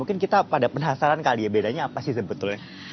mungkin kita pada penasaran kali ya bedanya apa sih sebetulnya